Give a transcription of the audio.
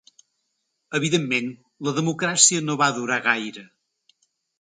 Evidentment, la democràcia no va durar gaire.